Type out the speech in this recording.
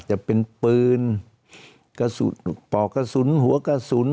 จะเป็นปืนกระสุนปอกกระสุนหัวกระสุน